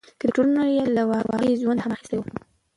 کرکټرونه یې له واقعي ژوند الهام اخیستی و.